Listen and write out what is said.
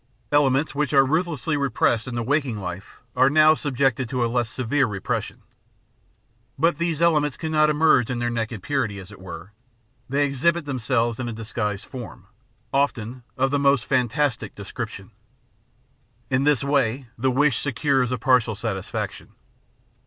Elements which are ruthlessly repressed in the waking life are now subjected to a less severe repression. But these elements cannot emerge in their naked purity, as it were; they exhibit themselves in a disguised form, often of the most fantastic description. In this way the wish secures a partial satisfaction.